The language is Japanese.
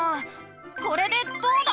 これでどうだ！